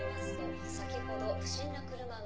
先ほど不審な車が。